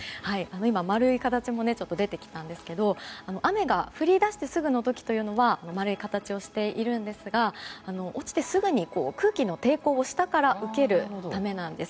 丸い形も出てきましたが雨が降り出してすぐの時というのは丸い形をしているんですが落ちてすぐに空気の抵抗を下から受けるためなんです。